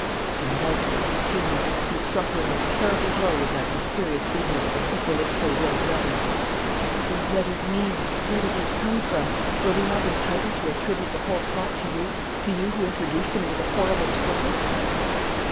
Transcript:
"Her martyrdom continued. You struck her a most terrible blow with that mysterious business of Hippolyte Fauville's letters. What did those letters mean? Where did they come from? Were we not entitled to attribute the whole plot to you, to you who introduced them into the horrible struggle?